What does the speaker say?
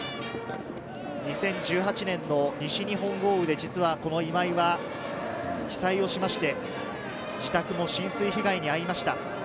２０１８年の西日本豪雨でこの今井は被災をしまして、自宅も浸水被害に遭いました。